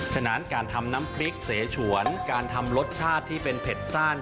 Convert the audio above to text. ฉะนั้นการทำน้ำพริกเสฉวนการทำรสชาติที่เป็นเผ็ดสั้น